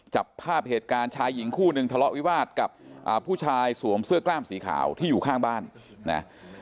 จับภาพเหตุการณ์ชายหญิงคู่นึงทะเลาะวิวาสกับผู้ชายสวมเสื้อกล้ามสีขาวที่อยู่ข้างบ้านนะ